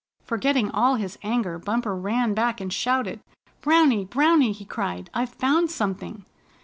Forgetting all his anger, Bumper ran back, and shouted. "Browny! Browny!" he cried. "I've found something!"